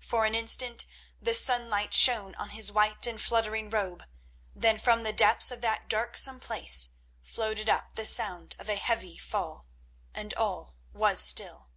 For an instant the sunlight shone on his white and fluttering robe, then from the depths of that darksome place floated up the sound of a heavy fall, and all was still.